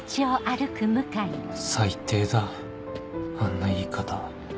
最低だあんな言い方